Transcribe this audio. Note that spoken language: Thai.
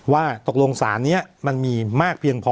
ว่าตกลงสารนี้มันมีมากเพียงพอ